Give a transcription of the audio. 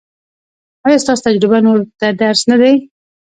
ایا ستاسو تجربه نورو ته درس نه دی؟